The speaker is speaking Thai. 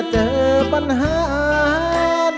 จริง